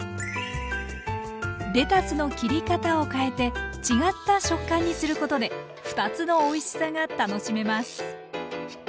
レタスの切り方を変えて違った食感にすることで２つのおいしさが楽しめます。